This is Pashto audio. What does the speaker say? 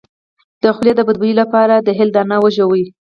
د خولې د بد بوی لپاره د هل دانه وژويئ